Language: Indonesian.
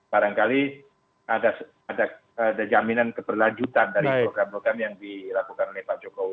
barangkali ada jaminan keberlanjutan dari program program yang dilakukan oleh pak jokowi